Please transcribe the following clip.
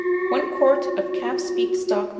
1 quart of calf's feet stock No.